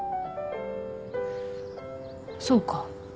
そうか。